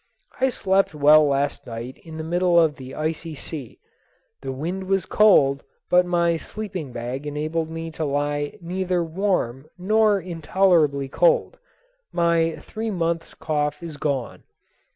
I slept well last night in the middle of the icy sea. The wind was cold but my sleeping bag enabled me to lie neither warm nor intolerably cold. My three months cough is gone.